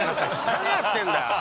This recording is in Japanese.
何やってんだよ